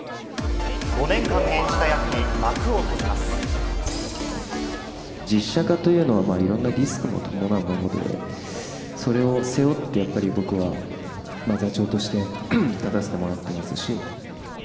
５年間演じた役に幕を閉じま実写化というのは、いろんなリスクも伴うもので、それを背負ってやっぱり、僕は座長として立たせてもらっていますし。